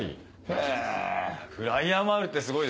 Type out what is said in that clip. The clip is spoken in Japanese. へぇフライヤーもあるってすごい。